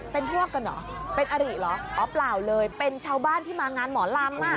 เป็นพวกกันเหรอเป็นอริเหรออ๋อเปล่าเลยเป็นชาวบ้านที่มางานหมอลำอ่ะ